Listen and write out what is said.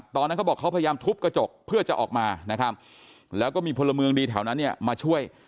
ตอนนั้นเขาบอกเขาพยายามทุบกระจกเพื่อจะออกมาแล้วก็มีพลเมืองดีแถวนั้นมาช่วย